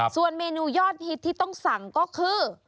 ส่วนเมนูยอดฮิตที่ต้องสั่งก็คือ